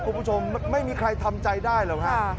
คุณผู้ชมไม่มีใครทำใจได้หรอกฮะ